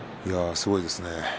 すごいですね。